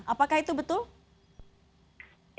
apakah itu betul